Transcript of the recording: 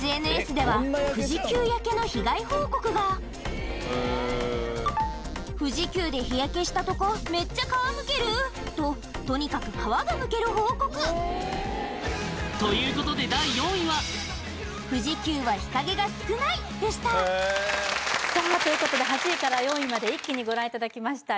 ＳＮＳでは富士急焼けの被害報告が「富士急で日焼けしたとこメッチャ皮むける」ととにかく皮がむける報告ということで第４位は富士急は日陰が少ないでしたさあということで８位から４位まで一気にご覧いただきました